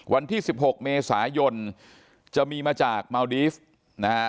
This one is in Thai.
วันที่๑๖เมษายนจะมีมาจากเมาดีฟนะฮะ